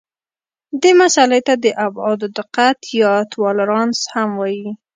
دې مسئلې ته د ابعادو دقت یا تولرانس هم وایي.